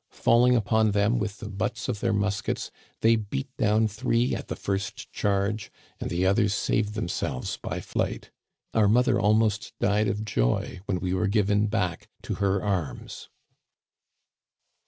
Falling upon them with the butts of their muskets, they beat down three at the first charge, and the others saved themselves by flight. Our mother almost died of joy when we were given back to her arms."